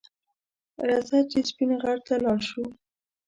رځه چې سپین غر ته لاړ شو